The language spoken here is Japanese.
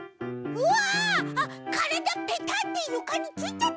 うわ！